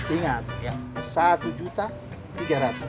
ingat satu juta tiga ratus